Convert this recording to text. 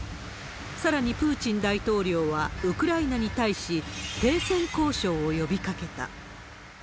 さらにプーチン大統領は、ウクライナに対し、停戦交渉を呼びかけた。